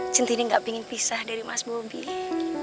centini gak pingin pisah dari mas bobi